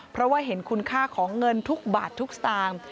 เพราะว่าเห็นคุณค่าของเงินทุกบาททุกสตางค์